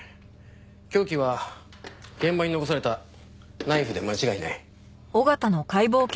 凶器は現場に残されたナイフで間違いない。